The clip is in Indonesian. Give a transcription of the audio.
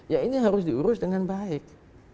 ya ini harus diurus dengan baik